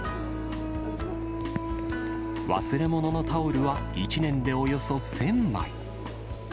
忘れ物のタオルは１年でおよそ１０００枚。